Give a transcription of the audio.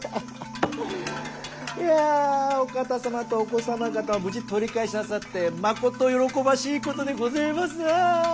いやお方様とお子様方も無事取り返しなさってまこと喜ばしいことでごぜますなあ！